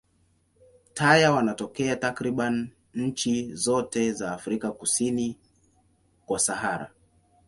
Taya wanatokea takriban nchi zote za Afrika kusini kwa Sahara.